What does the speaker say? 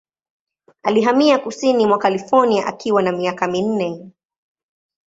Alihamia kusini mwa California akiwa na miaka minne.